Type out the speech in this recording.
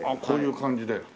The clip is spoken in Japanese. こういう感じで。